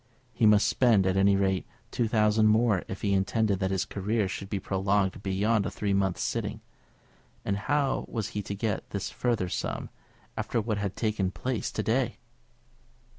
He must spend, at any rate, two thousand more if he intended that his career should be prolonged beyond a three months' sitting; and how was he to get this further sum after what had taken place to day?